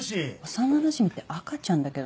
幼なじみって赤ちゃんだけどね。